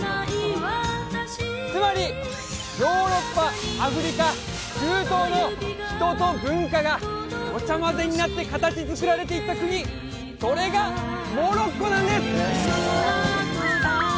つまりヨーロッパアフリカ中東の人と文化がごちゃまぜになって形づくられていった国それがモロッコなんです！